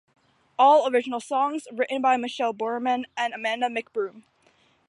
All original songs written by Michele Brourman and Amanda McBroom.